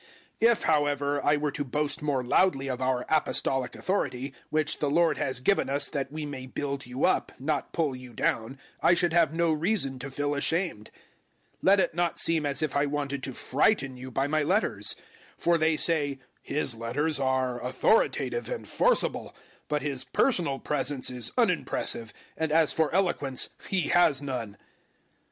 010:008 If, however, I were to boast more loudly of our Apostolic authority, which the Lord has given us that we may build you up, not pull you down, I should have no reason to feel ashamed. 010:009 Let it not seem as if I wanted to frighten you by my letters. 010:010 For they say "His letters are authoritative and forcible, but his personal presence is unimpressive, and as for eloquence, he has none."